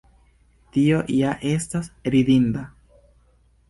Tio ja estas ridinda!